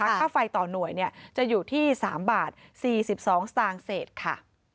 ค่าไฟต่อหน่วยจะอยู่ที่๓บาท๔๒สตางค์เศษค่ะ